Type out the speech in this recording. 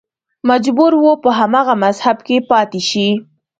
مجبور و په هماغه مذهب کې پاتې شي